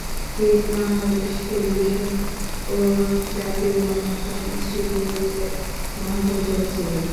তিনি বাংলাদেশ টেলিভিশন ও জাতীয় গণমাধ্যম ইনস্টিটিউটের মহাপরিচালক ছিলেন।